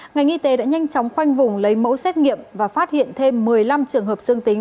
ngành y tế đã nhanh chóng khoanh vùng lấy mẫu xét nghiệm và phát hiện thêm một mươi năm trường hợp dương tính